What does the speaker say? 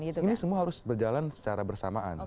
ini semua harus berjalan secara bersamaan